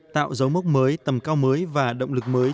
tạo dấu mốc mới tầm cao mới và động lực mới